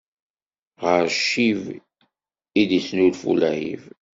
Ɣer ccib i d-ittnulfu lɛib.